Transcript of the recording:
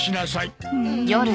うん。